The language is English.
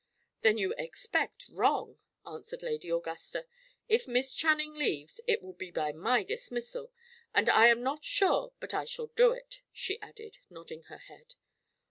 "Then you expect wrong," answered Lady Augusta. "If Miss Channing leaves, it will be by my dismissal. And I am not sure but I shall do it," she added, nodding her head.